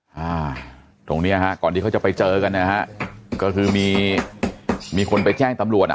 อ่าตรงเนี้ยฮะก่อนที่เขาจะไปเจอกันนะฮะก็คือมีมีคนไปแจ้งตำรวจอ่ะ